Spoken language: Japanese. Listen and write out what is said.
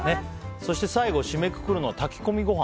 そして最後締めくくるのは炊き込みご飯。